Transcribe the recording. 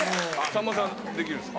さんまさんできるんですか？